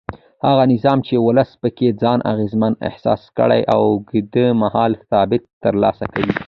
هغه نظام چې ولس پکې ځان اغېزمن احساس کړي اوږد مهاله ثبات ترلاسه کوي